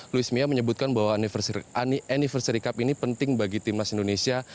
louis mia menyebutkan bahwa anniversary cup ini penting bagi timnas indonesia